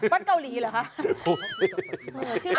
วัดเกาหลีหรือครับ